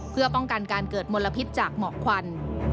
เพื่อป้องกันการเกิดมลพิษจากหมอกควัน